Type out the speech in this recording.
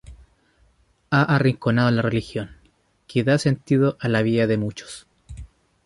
Ha arrinconado a la religión, que da sentido a la vida de muchos.